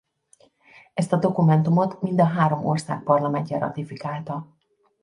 Ezt a dokumentumot mind a három ország parlamentje ratifikálta.